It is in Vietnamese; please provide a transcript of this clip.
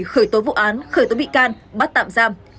khởi tố vụ án khởi tố bị can bắt tạm giam